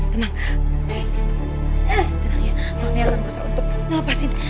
tenang ya kami akan berusaha untuk melepasin